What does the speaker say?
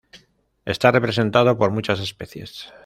Está representado por muchas especies.